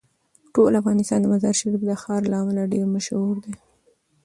ټول افغانستان د مزارشریف د ښار له امله ډیر مشهور دی.